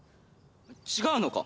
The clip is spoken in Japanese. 違うのか？